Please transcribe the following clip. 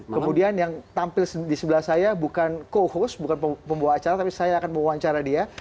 kemudian yang tampil di sebelah saya bukan co host bukan pembawa acara tapi saya akan mewawancara dia